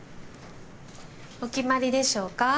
お決まりでしょうか。